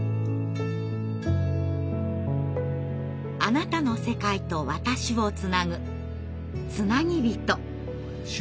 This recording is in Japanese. あなたの世界と私をつなぐつなぎびと。